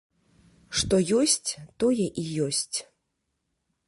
Што ёсць, тое і ёсць.